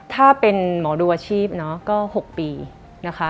ถ้าเป็นหมอดูอาชีพเนาะก็๖ปีนะคะ